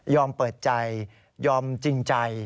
เปิดใจยอมจริงใจ